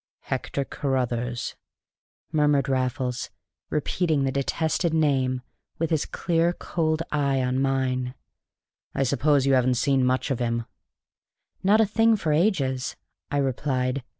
"Hector Carruthers!" murmured Raffles, repeating the detested name with his clear, cold eye on mine. "I suppose you haven't seen much of him?" "Not a thing for ages," I replied.